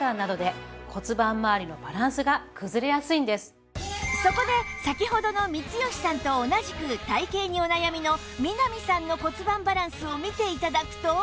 そもそもそこで先ほどの光吉さんと同じく体形にお悩みの南さんの骨盤バランスを見て頂くと